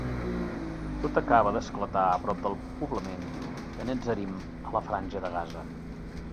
Tot acaba d'esclatar a prop del poblament de Netzarim a la franja de Gaza.